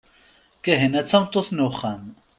Kahina d tameṭṭut n uxxam.